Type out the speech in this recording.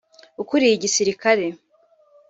ukuriye igisirikare